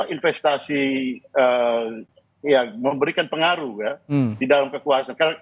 investasi memberikan pengaruh ya di dalam kekuasaan